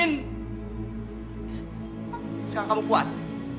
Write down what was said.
kayak gitu laras